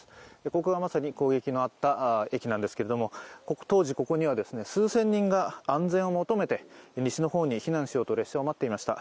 ここがまさに攻撃のあった駅なんですけれども当時ここには数千人が安全を求めて西の方に避難しようと列車を待っていました。